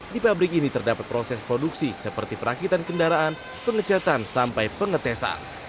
di pabrik ini terdapat proses produksi seperti perakitan kendaraan pengecatan sampai pengetesan